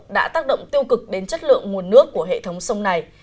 đã tác động tiêu cực đến chất lượng nguồn nước của hệ thống sông này